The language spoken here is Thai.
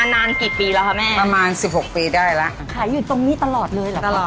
งั้นพาพี่ไปดูหน่อยนะครับโอ้